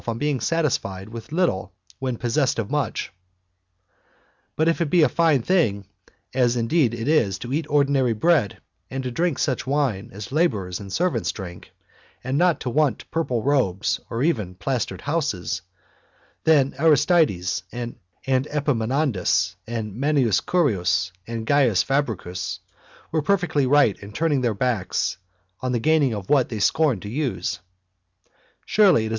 on being satisfied with little when possessed of much?" But if it be a fine thing, as indeed it is, to eat ordinary bread, and to drink such wine as labourers and servants drink, and not to want purple robes nor even plastered houses, then Aristides and Epaminondas and Manius Curius and Gaius Fabricius were perfectly right in turning 395 PLUTARCH'S: LIVES NKOVTOS, yalpew EdoavTes THY KTHOW Ov THY ypijow anedoxipafov.